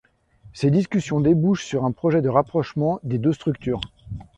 Ces discussions débouchent sur un projet de rapprochement des deux structures.